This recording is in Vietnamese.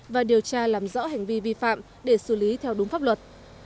và điều tra làm rõ hành vi vi phạm để xử lý theo đúng pháp luật